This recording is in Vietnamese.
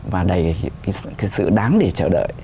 và đầy cái sự đáng để chờ đợi